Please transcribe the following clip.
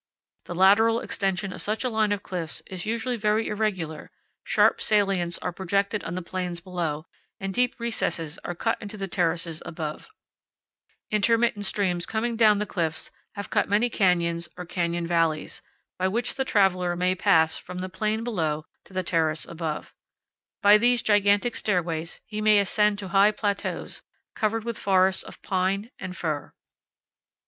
The lateral extension of such a line of cliffs is usually very irregular; sharp salients are projected on the plains below, and deep recesses are cut into the terraces above. Intermittent streams coming 33 powell canyons 13.jpg A ZUÑI COURT. 34 powell canyons 14.jpg ADOBE CHURCH ZUÑI. THE VALLEY OF THE COLORADO. 35 down the cliffs have cut many canyons or canyon valleys, by which the traveler may pass from the plain below to the terrace above. By these gigantic stairways he may ascend to high plateaus, covered with forests of pine and fir.